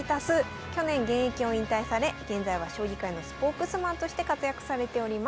去年現役を引退され現在は将棋界のスポークスマンとして活躍されております。